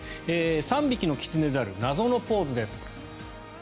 ３匹のキツネザル謎のポーズです。